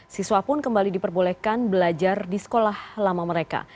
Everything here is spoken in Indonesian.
siswa pun kembali diperbolehkan belajar di sekolah lama mereka